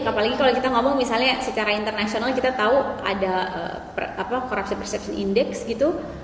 apalagi kalau kita ngomong misalnya secara internasional kita tahu ada corrupsi perception index gitu